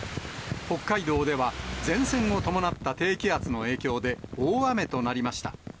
北海道では前線を伴った低気圧の影響で、大雨となりました。